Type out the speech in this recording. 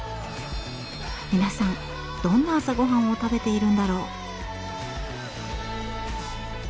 皆さんどんな朝ごはんを食べているんだろう？